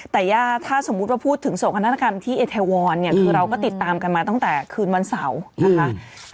แต่ถ้าสมมุติว่าพูดถึงโศกนาฏกรรมที่เอเทวอนเนี่ยคือเราก็ติดตามกันมาตั้งแต่คืนวันเสาร์นะคะ